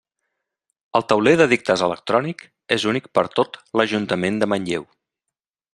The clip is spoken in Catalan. El Tauler d'edictes electrònic és únic per a tot l'Ajuntament de Manlleu.